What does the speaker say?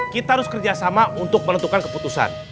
kita harus kerjasama untuk menentukan keputusan